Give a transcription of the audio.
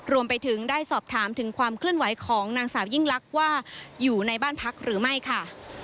รวมไปถึงได้สอบถามถึงความเคลื่อนไหวของนางสาวยิ่งลักษณ์ว่าอยู่ในบ้านพักหรือไม่ค่ะ